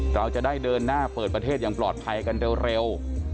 เราจะได้เดินหน้าเปิดประเทศอย่างปลอดภัยกันเร็ว